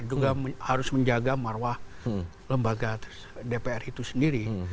juga harus menjaga marwah lembaga dpr itu sendiri